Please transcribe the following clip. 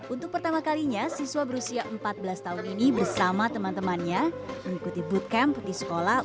untuk pertama kalinya siswa berusia empat belas tahun ini bersama teman temannya mengikuti bootcamp putih sekolah